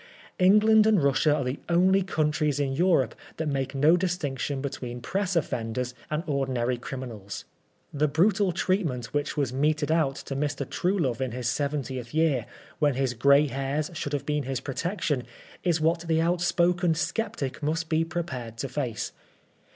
England and Russia are the only countries in Europe that make no distinction between press offenders and ordinal^ criminals. The brutal treatment wmch was meted out to Mr. Truelove in 64 PBISONBB FOB BLASPHEMY. his seventieth year, when his grey hairs shonld haye been hi» protection, is what the outspoken sceptic must be prepared ta nice.